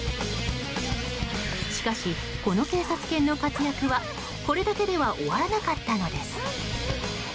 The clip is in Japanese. しかし、この警察犬の活躍はこれだけでは終わらなかったのです。